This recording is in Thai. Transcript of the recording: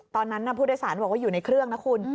ตอนนั้นผู้โดยสารบอกว่าอยู่ในเครื่องนะคุณ